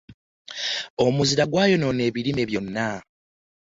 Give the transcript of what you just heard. Omuzira gwayonona ebirime byonna .